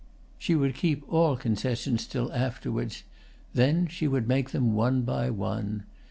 She would keep all concessions till afterwards; then she would make them one by one.